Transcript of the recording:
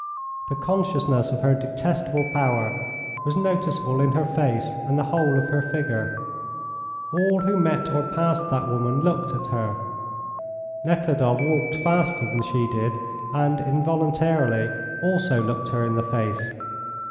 The consciousness of her detestable power was noticeable in her face and the whole of her figure. All who met or passed that woman looked at her. Nekhludoff walked faster than she did and, involuntarily, also looked her in the face.